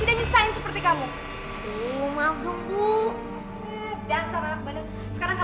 anak singgah banget lagi